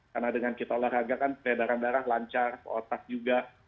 karena dengan kita olahraga kan darah darah lancar otak juga